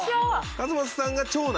勝俣さんが長男？